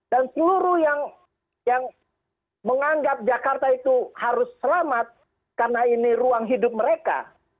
dan seluruh yang menganggap jakarta itu harus selamat karena ini ruang hidup mereka